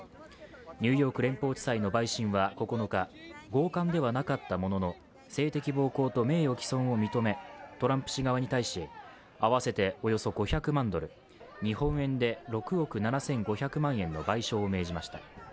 ニューヨーク連邦地裁の陪審は９日強姦ではなかったものの、性的暴行と名誉毀損を認めトランプ氏側に対し合わせておよそ５００万ドル日本円で６億７５００万円の賠償を命じました。